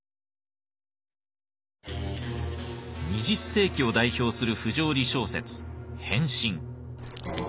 ２０世紀を代表する不条理小説「変身」。